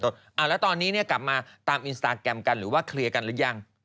แล้วตอนนี้กลับมาตามอินสตาแกรมกันหรือว่าเคลียร์กันหรือยัง